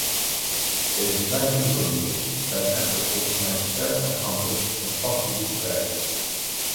Deze kleine boekenwinkels zijn echter volgens mij sterk afhankelijk van vaste boekenprijzen.